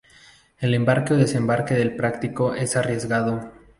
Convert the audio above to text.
El embarque o desembarque del práctico es arriesgado.